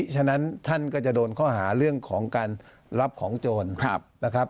ฉะนั้นท่านก็จะโดนข้อหาเรื่องของการรับของโจรนะครับ